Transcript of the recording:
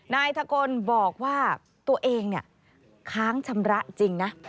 นายกลบอกว่าตัวเองค้างชำระจริงนะ